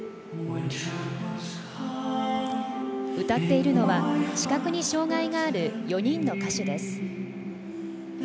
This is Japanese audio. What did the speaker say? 歌っているのは視覚に障がいがある４人の歌手です。